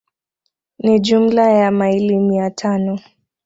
Ni jumla ya maili mia tano